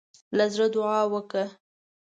له زړۀ دعا وکړه.